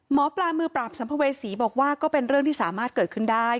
หมอปลามือปราบสัมภเวษีบอกว่าก็เป็นเรื่องที่สามารถเกิดขึ้นได้